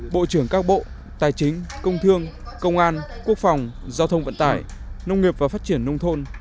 bộ trưởng các bộ tài chính công thương công an quốc phòng giao thông vận tải nông nghiệp và phát triển nông thôn